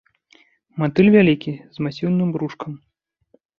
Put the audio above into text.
Матыль вялікі, з масіўным брушкам.